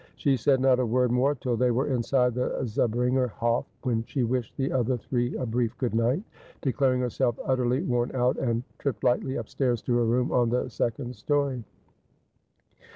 She said not a word more till they were inside the Zahringer Hof , when she wished the other three a brief good night, declar ing herself utterly worn out, and tripped lightly upstairs to her room on the second storey.